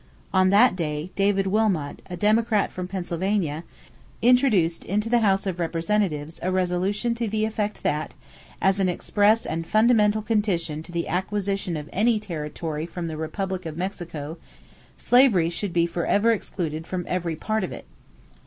On that day, David Wilmot, a Democrat from Pennsylvania, introduced into the House of Representatives a resolution to the effect that, as an express and fundamental condition to the acquisition of any territory from the republic of Mexico, slavery should be forever excluded from every part of it.